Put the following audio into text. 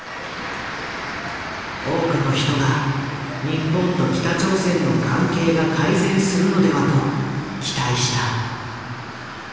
多くの人が日本と北朝鮮の関係が改善するのではと期待した。